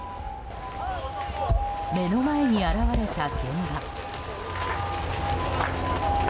目の前に現れた現場。